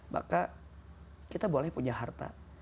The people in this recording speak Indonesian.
maka kita boleh punya harta